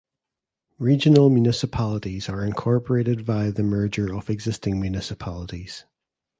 Regional municipalities are incorporated via the merger of existing municipalities.